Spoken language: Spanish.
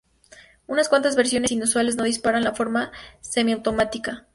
Unas cuantas versiones inusuales no disparan de forma semiautomática.